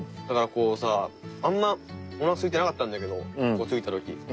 だからこうさあんまりお腹すいてなかったんだけどここ着いた時。